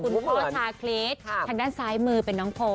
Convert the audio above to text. คุณพ่อชาคริสทางด้านซ้ายมือเป็นน้องโพ